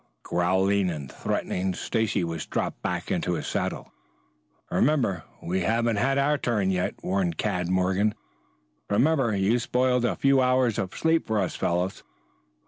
Growling and threatening, Stacy was dropped back into his saddle. "Remember, we haven't had our turn yet," warned Cad Morgan. "Remember, you've spoiled a few hours of sleep for us fellows."